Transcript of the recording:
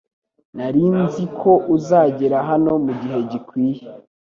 Nari nzi ko uzagera hano mugihe gikwiye